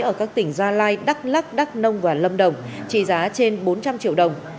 ở các tỉnh gia lai đắk lắc đắk nông và lâm đồng trị giá trên bốn trăm linh triệu đồng